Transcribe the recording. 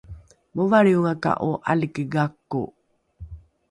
movalriongaka’o ’aliki gako